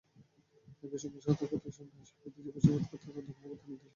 একই সঙ্গে সতর্কতার সঙ্গে আসামিদের জিজ্ঞাসাবাদ করতে তদন্ত কর্মকর্তাকে নির্দেশ দেন আদালত।